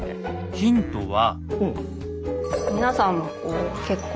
ヒントは。